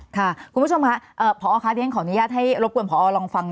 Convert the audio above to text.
ค่ะคุณผู้ชมค่ะพอค่ะเรียนขออนุญาตให้รบกวนพอลองฟัง